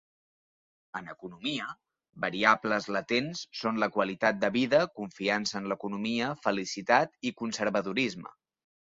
En economia, variables latents són la qualitat de vida, confiança en l'economia, felicitat i conservadorisme.